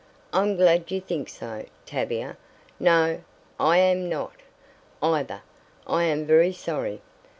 "I'm glad you think so, Tavia. No, I am not, either; I am very sorry."